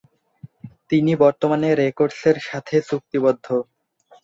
তিনি বর্তমানে রেকর্ডসের সাথে চুক্তিবদ্ধ।